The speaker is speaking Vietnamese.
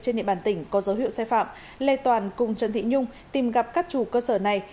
trên địa bàn tỉnh có dấu hiệu sai phạm lê toàn cùng trần thị nhung tìm gặp các chủ cơ sở này